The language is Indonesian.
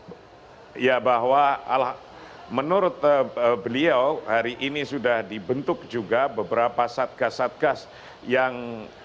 ya bahwa menurut beliau hari ini sudah dibentuk juga beberapa satgas satgas yang